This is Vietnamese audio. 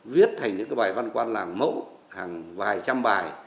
viết thành những cái bài văn quan làng mẫu hàng vài trăm bài